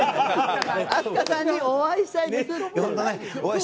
ＡＳＫＡさんにお会いしたいです。